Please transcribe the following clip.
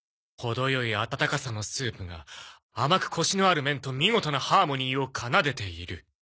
程良い温かさのスープが甘くコシのある麺と見事なハーモニーを奏でている。